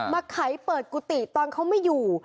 ไขเปิดกุฏิตอนเขาไม่อยู่